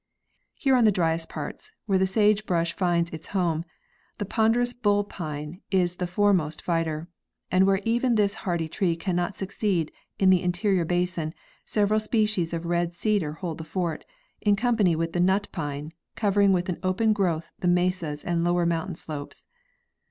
Here on the driest parts, where the sage brush finds its home, the ponderous bull pine is the foremost fighter, and where even this hardy tree cannot succeed in the interior basin several species of red cedar hold the fort, in company with the nut pine, covering with an open growth the mesas and lower mountain slopes.